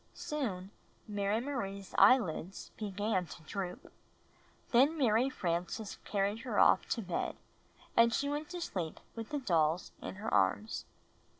Soon Mary Marie's eyelids began to droop; then Mary Frances carried her off to bed, and she went to sleep with the dolls in her arms.